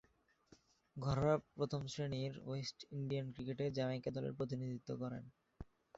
ঘরোয়া প্রথম-শ্রেণীর West Indian ক্রিকেটে জ্যামাইকা দলের প্রতিনিধিত্ব করেন।